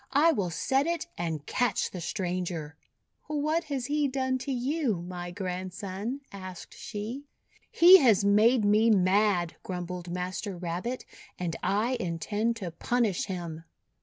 I will set it and catch the stranger." 'What has he done to you, my Grandson?'1 asked she. "He has made me mad," grumbled Master Rabbit, "and I intend to punish him."